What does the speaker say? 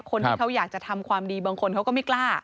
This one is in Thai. คนที่เขาอยากจะทำความดีบางคนเขาก็ไม่กล้า